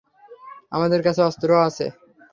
আমাদের কাছে অস্ত্রও আছে।